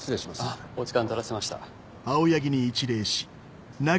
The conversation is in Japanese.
お時間取らせました。